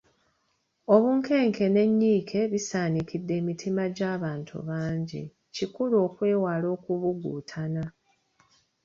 Obunkenke n’ennyiike bisaanikidde emitima gy’abantu bangi, kikulu okwewala okubugutana.